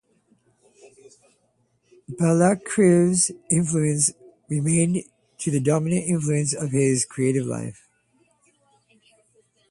Balakirev's influence remained the dominant influence in his creative life.